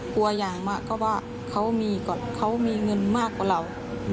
กลัวอย่างมากก็ว่าเขามีเงินมากกว่าเรา